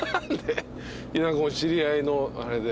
知り合いのあれで。